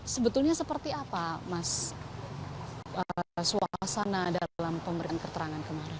sebetulnya seperti apa mas suasana dalam pemberian keterangan kemarin